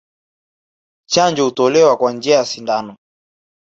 Chanjo hutolewa kwa njia ya sindano